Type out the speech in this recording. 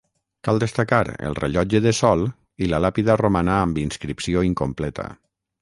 Cal destacar el rellotge de sol i la làpida romana amb inscripció incompleta.